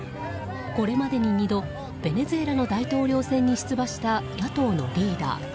これまでに２度ベネズエラの大統領選に出馬した野党のリーダー。